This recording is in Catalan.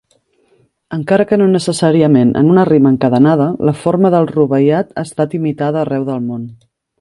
Encara que no necessàriament en una rima encadenada, la forma del Rubaiyat ha estat imitada arreu del món.